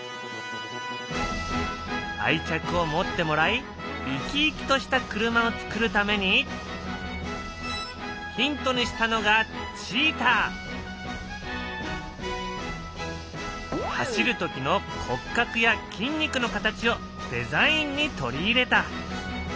愛着を持ってもらい生き生きとした車をつくるためにヒントにしたのが走る時の骨格や筋肉の形をデザインに取り入れた。